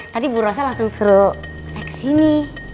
tadi bu rosa langsung seru saya kesini